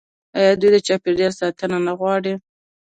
آیا دوی د چاپیریال ساتنه نه غواړي؟